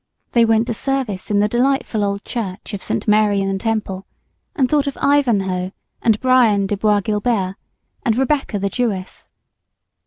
They went to service in the delightful old church of St. Mary in the Temple, and thought of Ivanhoe and Brian de Bois Guilbert and Rebecca the Jewess.